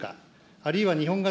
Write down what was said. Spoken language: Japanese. あるいは日本型